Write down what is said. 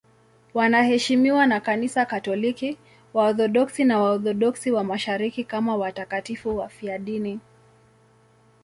Wanaheshimiwa na Kanisa Katoliki, Waorthodoksi na Waorthodoksi wa Mashariki kama watakatifu wafiadini.